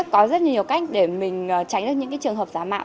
có rất nhiều cách để mình tránh được những cái trường hợp giả mạng